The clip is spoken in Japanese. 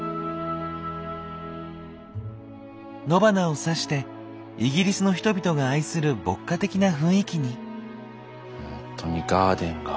野花を挿してイギリスの人々が愛する牧歌的な雰囲気に。